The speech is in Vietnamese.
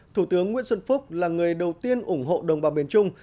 thủ tướng nguyễn xuân phúc là người đầu tiên ủng hộ đồng bào miền trung